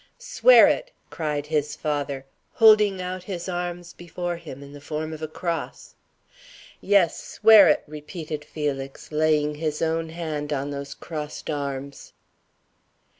"Swear it!" cried his father, holding out his arms before him in the form of a cross. "Yes, swear it!" repeated Felix, laying his own hand on those crossed arms.